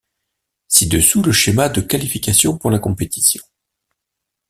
Ci-dessous le schéma de qualification pour la compétition.